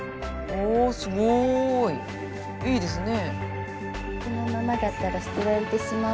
すごい！いいですね。